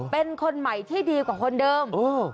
เป็นคนใหม่ที่ดีกว่าคนเดิม